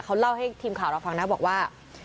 เขาเล่าให้ทีมข่าวเราฟังนะบอกว่า